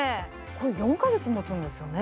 これ４か月もつんですよね？